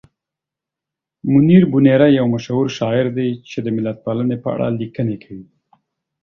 منیر بونیری یو مشهور شاعر دی چې د ملتپالنې په اړه لیکنې کوي.